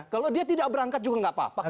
kalau dia tidak berangkat juga gak apa apa kok